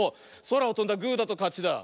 そらをとんだグーだとかちだ。